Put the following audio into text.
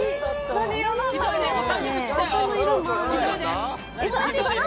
何色なんだろう。